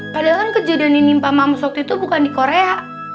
padahal kan kejadian menimpa mams waktu itu bukan di korea